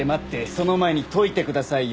その前に解いてくださいよ。